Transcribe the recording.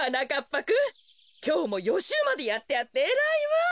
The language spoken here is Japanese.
ぱくんきょうもよしゅうまでやってあってえらいわ。